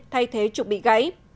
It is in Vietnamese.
thay thế trục bị gãy